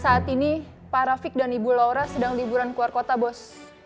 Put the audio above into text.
saat ini pak rafiq dan ibu laura sedang liburan keluar kota bos